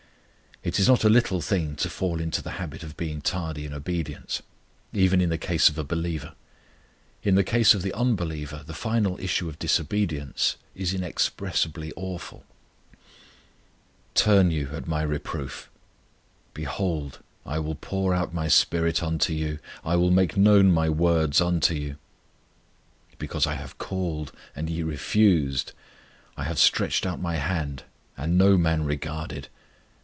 It is not a little thing to fall into the habit of being tardy in obedience, even in the case of a believer: in the case of the unbeliever the final issue of disobedience is inexpressibly awful: Turn you at My reproof: Behold, I will pour out My SPIRIT unto you, I will make known My words unto you. Because I have called, and ye refused; I have stretched out My hand, and no man regarded